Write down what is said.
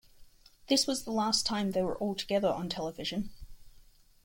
This was the last time they were all together on television.